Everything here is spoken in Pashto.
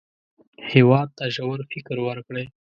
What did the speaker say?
هېواد ته ژور فکر ورکړئ